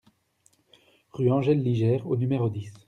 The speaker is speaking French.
Rue Angèle Ligère au numéro dix